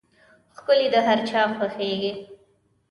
ښکلي د هر چا خوښېږي.